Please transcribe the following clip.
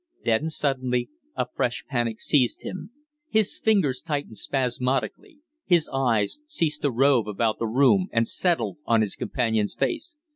Then suddenly a fresh panic seized him; his fingers tightened spasmodically, his eyes ceased to rove about the room and settled on his companion's face.